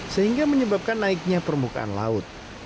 sehingga menyebabkan naiknya permukaan laut